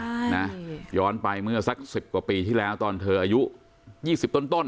ใช่นะย้อนไปเมื่อสักสิบกว่าปีที่แล้วตอนเธออายุยี่สิบต้นต้น